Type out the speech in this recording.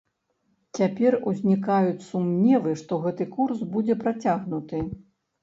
Цяпер узнікаюць сумневы, што гэты курс будзе працягнуты.